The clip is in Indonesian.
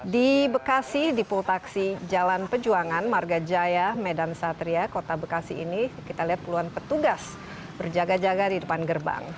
di bekasi di pul taksi jalan pejuangan marga jaya medan satria kota bekasi ini kita lihat puluhan petugas berjaga jaga di depan gerbang